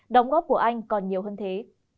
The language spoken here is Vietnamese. đóng góp của anh còn nhiều hơn thế